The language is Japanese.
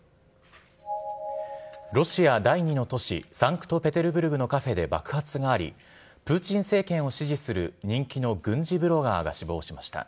ロシア第２の都市サンクトペテルブルグのカフェで爆発があり、プーチン政権を支持する人気の軍事ブロガーが死亡しました。